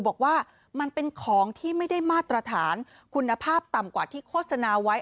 บอกว่ามันเป็นของที่ไม่ได้มาตรฐานคุณภาพต่ำกว่าที่โฆษณาไว้